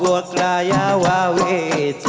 ฮรีรายโยแท่เดิมบินแบบสาอิงหาดูหมอ